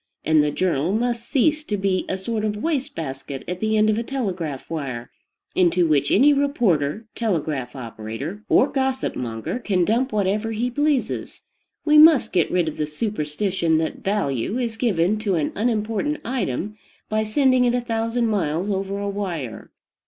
And the journal must cease to be a sort of waste basket at the end of a telegraph wire, into which any reporter, telegraph operator, or gossip monger can dump whatever he pleases. We must get rid of the superstition that value is given to an unimportant "item" by sending it a thousand miles over a wire.